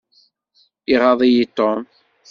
Iɣaḍ-iyi Tom.